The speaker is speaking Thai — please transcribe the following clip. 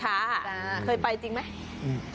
เคยไปจริงไหม